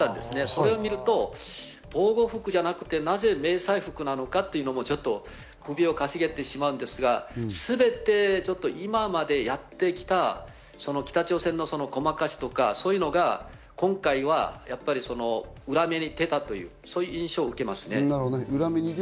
それを見ると防護服じゃなくて、なぜ迷彩服なのかというのも首をかしげてしまうんですが、全て今までやってきた北朝鮮のごまかしとかが今回は裏目に出たという印象も受けますね。